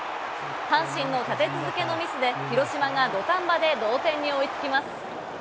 阪神の立て続けのミスで、広島が土壇場で同点に追いつきます。